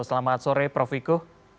selamat sore prof wiku